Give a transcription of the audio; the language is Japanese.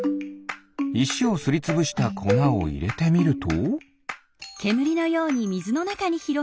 いしをすりつぶしたこなをいれてみると？